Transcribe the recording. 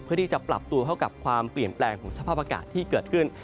เพื่อที่จะปรับตัวเข้ากับความเปลี่ยนแปลงของสภาพอากาศที่เกิดขึ้น